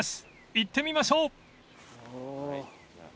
行ってみましょう］